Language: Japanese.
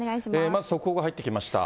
まず速報が入ってきました。